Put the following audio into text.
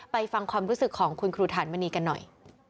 ฟังความรู้สึกของคุณครูฐานมณีกันหน่อย